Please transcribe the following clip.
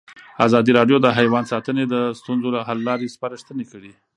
ازادي راډیو د حیوان ساتنه د ستونزو حل لارې سپارښتنې کړي.